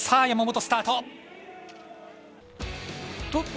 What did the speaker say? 山本スタート。